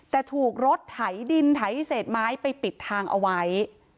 แต่ถูกรถไถดินไถเศษไม้ไปปิดทางเอาไว้